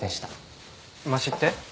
ましって？